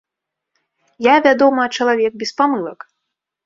Я, вядома, чалавек без памылак.